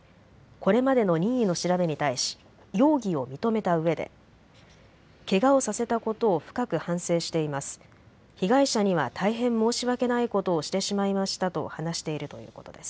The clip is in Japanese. これまでの任意の調べに対し容疑を認めたうえでけがをさせたことを深く反省しています。